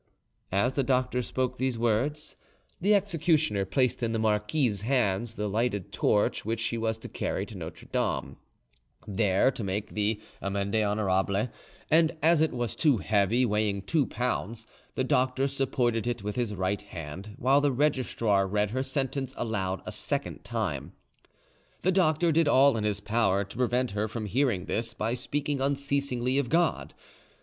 As the doctor spoke these words, the executioner placed in the marquise's hands the lighted torch which she was to carry to Notre Dame, there to make the 'amende honorable', and as it was too heavy, weighing two pounds, the doctor supported it with his right hand, while the registrar read her sentence aloud a second time. The doctor did all in his power to prevent her from hearing this by speaking unceasingly of God.